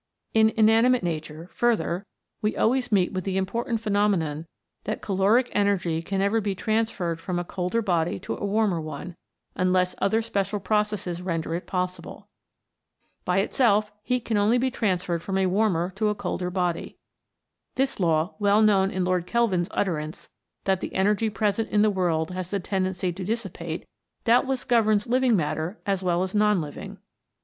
In inanimate Nature, further, we always meet with the important phenomenon that caloric energy can never be transferred from a colder body to a warmer one, unless other special processes render it possible. By itself heat can only be transferred from a warmer to a colder body. This law, well known in Lord Kelvin's utterance, that the energy present in the world has the tendency to dissipate, doubt less governs living matter as well as non living.